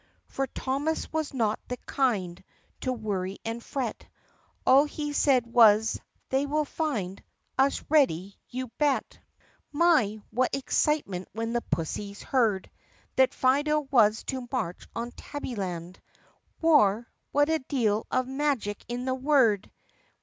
For Thomas was not the kind To worry and fret. All he said was, "They will find Us ready, you bet." 109 no THE PUSSYCAT PRINCESS hi My ! what excitement when the pussies heard That Fido was to march on Tabbyland. War ! What a deal of magic in the word